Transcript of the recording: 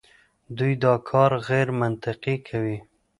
دوی دا کار غیرمنطقي کوي.